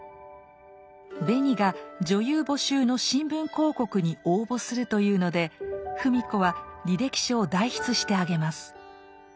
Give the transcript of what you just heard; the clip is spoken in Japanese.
ベニが女優募集の新聞広告に応募するというので芙美子は履歴書を代筆してあげます。